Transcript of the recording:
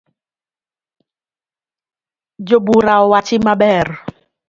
Jobura owachi maber